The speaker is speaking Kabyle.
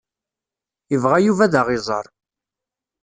Ibɣa Yuba ad aɣ-iẓer.